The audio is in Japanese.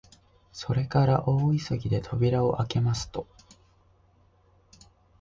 それから大急ぎで扉をあけますと、